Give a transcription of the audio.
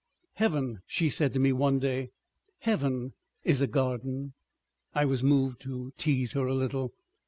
"Heaven," she said to me one day, "Heaven is a garden." I was moved to tease her a little.